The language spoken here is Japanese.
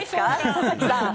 佐々木さん。